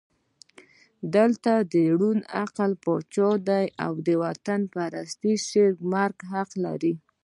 دلته ړوند عقل پاچا دی او د وطنپرستۍ شعر مرګ حق لري.